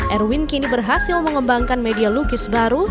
erwin kini berhasil mengembangkan media lukis baru